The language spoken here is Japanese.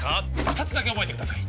二つだけ覚えてください